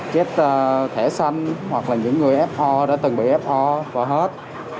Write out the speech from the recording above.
chết thẻ xanh hoặc là những người fo đã từng bị fo và hết